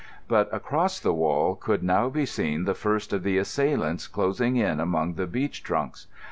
But across the wall could now be seen the first of the assailants closing in among the beech trunks.